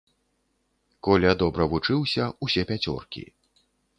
Коля добра вучыўся, усе пяцёркі.